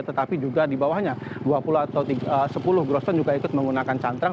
tetapi juga di bawahnya dua puluh atau sepuluh groston juga ikut menggunakan cantrang